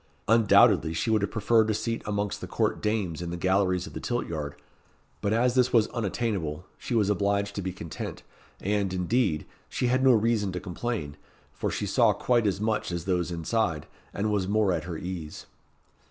Undoubtedly, she would have preferred a seat amongst the court dames in the galleries of the tilt yard, but as this was unattainable, she was obliged to be content; and, indeed, she had no reason to complain, for she saw quite as much as those inside, and was more at her ease.